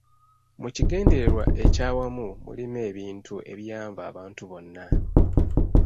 Mu kigendererwa ekyawamu mulimu ebintu ebiyamba abantu bonna.